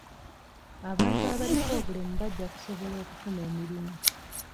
Abantu abaliko obulemu bajja kusobola okufuna emirimu.